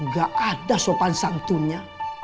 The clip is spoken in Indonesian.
gak ada sopan santunya